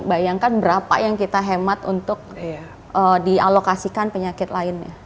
bayangkan berapa yang kita hemat untuk dialokasikan penyakit lainnya